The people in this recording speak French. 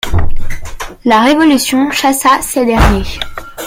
La Révolution chassa ces derniers.